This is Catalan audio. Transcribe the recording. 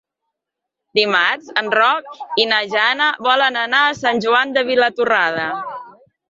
Dimarts en Roc i na Jana volen anar a Sant Joan de Vilatorrada.